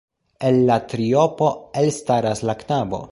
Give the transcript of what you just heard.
El la triopo elstaras la knabo.